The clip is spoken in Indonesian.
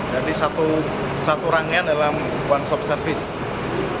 jadi satu rangkaian dalam one stop service